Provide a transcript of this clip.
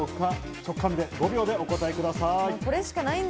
直感で５秒でお答えください。